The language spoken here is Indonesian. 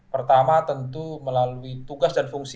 pertama tentu melalui tugas dan fungsi